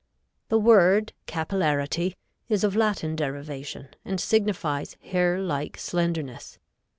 The word capillarity is of Latin derivation, and signifies hair like slenderness.